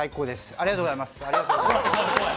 ありがとうございます。